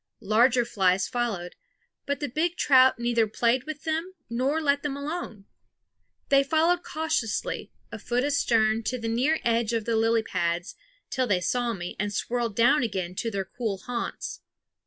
Larger flies followed; but the big trout neither played with them nor let them alone. They followed cautiously, a foot astern, to the near edge of the lily pads, till they saw me and swirled down again to their cool haunts.